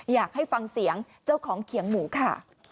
อยากให้ฟังเสียงเจ้าของเขียงหมูค่ะ